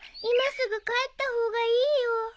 今すぐ帰った方がいいよ。